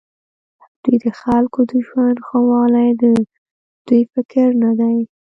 دوی د خلکو د ژوند ښهوالی د دوی فکر نه دی.